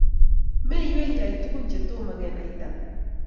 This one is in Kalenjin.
Meywei iyai tugun chetomo kenaita?